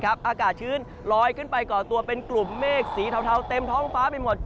อากาศชื้นลอยขึ้นไปก่อตัวเป็นกลุ่มเมฆสีเทาเต็มท้องฟ้าไปหมด